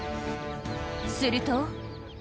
すると。